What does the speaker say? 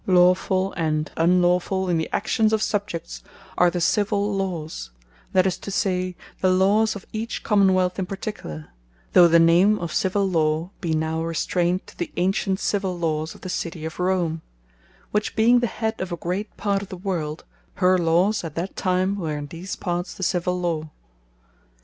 These Rules of Propriety (or Meum and Tuum) and of Good, Evill, Lawfull and Unlawfull in the actions of subjects, are the Civill Lawes, that is to say, the lawes of each Commonwealth in particular; though the name of Civill Law be now restrained to the antient Civill Lawes of the City of Rome; which being the head of a great part of the World, her Lawes at that time were in these parts the Civill Law.